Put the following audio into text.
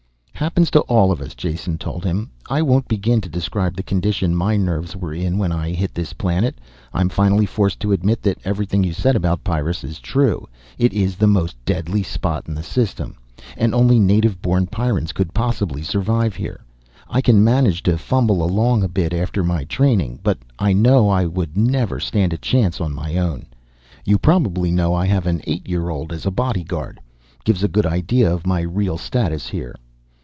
"Happens to all of us," Jason told him. "I won't begin to describe the condition my nerves were in when I hit this planet. I'm finally forced to admit that everything you said about Pyrrus is true. It is the most deadly spot in the system. And only native born Pyrrans could possibly survive here. I can manage to fumble along a bit after my training, but I know I would never stand a chance on my own. You probably know I have an eight year old as a bodyguard. Gives a good idea of my real status here."